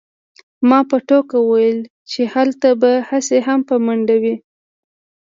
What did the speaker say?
ما په ټوکه وویل چې هلته به هسې هم په منډه وې